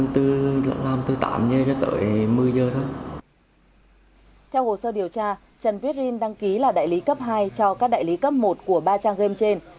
theo hồ sơ điều tra trần viết rin đăng ký là đại lý cấp hai cho các đại lý cấp một của ba trang game trên